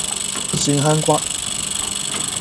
蒜香骨